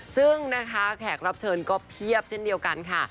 ซึ่งนะคะแขกรับเชิญก็เพียบเช่นเดียวกันค่ะ